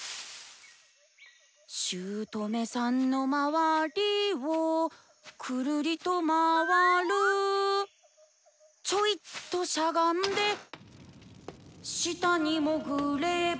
「姑さんのまわりをくるりとまわる」「ちょいとしゃがんで」「下にもぐれば」